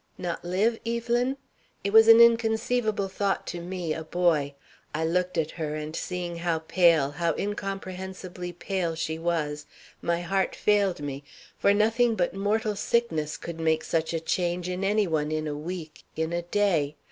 "'Not live, Evelyn?' It was an inconceivable thought to me, a boy. I looked at her, and seeing how pale, how incomprehensibly pale she was, my heart failed me, for nothing but mortal sickness could make such a change in any one in a week, in a day.